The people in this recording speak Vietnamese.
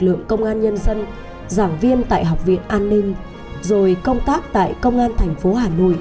lực lượng công an nhân dân giảng viên tại học viện an ninh rồi công tác tại công an thành phố hà nội